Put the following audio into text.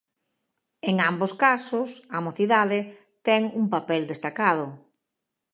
En ambos casos, a mocidade ten un papel destacado.